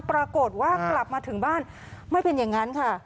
ปรากฏว่ากลับมาถึงบ้านไม่เป็นอย่างนั้นค่ะ